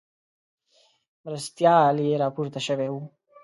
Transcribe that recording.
مرستیال یې راپورته شوی وو.